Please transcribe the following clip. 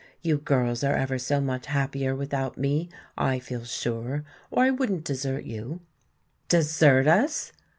You girls are ever so much happier without me, I feel sure, or I wouldn't desert you." "Desert us?"